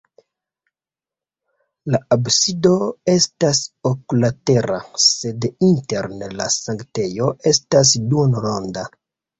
La absido estas oklatera, sed interne la sanktejo estas duonronda.